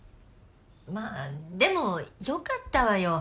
まあでもよかったわよ。